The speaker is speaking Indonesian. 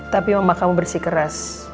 tapi mama kamu bersih keras